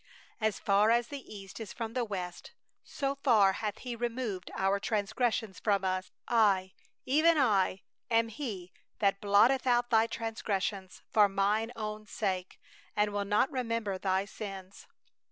"As far as the East is from the West, so far hath He removed our transgressions from us. "I, even I, am he that blotteth out thy transgressions for mine own sake, and will not remember thy sins.